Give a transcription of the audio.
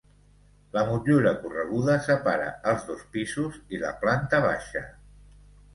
La motllura correguda separa els dos pisos i la planta baixa.